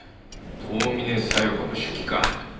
遠峰小夜子の手記か。